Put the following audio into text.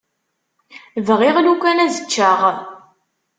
Bɣiɣ lukan ad ččeɣ.